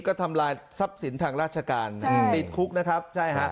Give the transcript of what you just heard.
ก็ทำลายทรัพย์สินทางราชการติดคุกนะครับใช่ฮะ